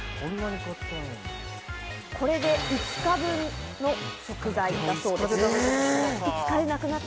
これで５日分の食材です。